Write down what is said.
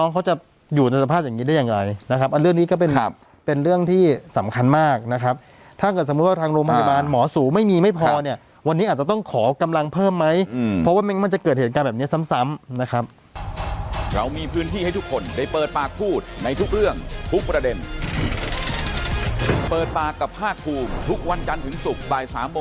คุณสภาพอย่างนี้ได้อย่างไรนะครับเรื่องนี้ก็เป็นเรื่องที่สำคัญมากนะครับถ้าเกิดสมมุติว่าทางโรงพยาบาลหมอสูตรังไม่มีไม่พอเนี่ยอาจจะต้องขอกำลังเพิ่มมั้ยเพราะว่ามันจะเกิดเหตุการณ์แบบนี้ซ้ำนะครับ